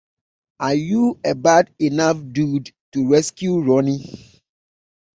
Are you a bad enough dude to rescue Ronnie?